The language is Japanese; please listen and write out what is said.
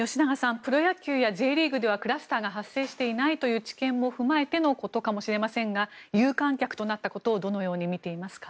プロ野球やＪリーグではクラスターが発生していないという知見を踏まえてのことかもしれませんが有観客となったことをどのように見ていますか。